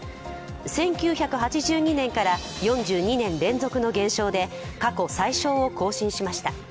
１９８２年から４２年連続の減少で過去最少を更新しました。